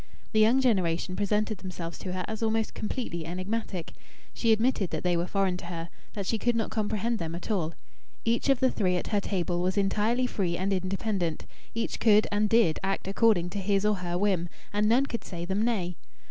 The young generation presented themselves to her as almost completely enigmatic. She admitted that they were foreign to her, that she could not comprehend them at all. Each of the three at her table was entirely free and independent each could and did act according to his or her whim, and none could say them nay.